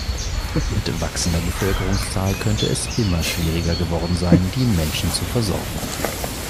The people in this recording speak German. Mit wachsender Bevölkerungszahl könnte es immer schwieriger geworden sein, die Menschen zu versorgen.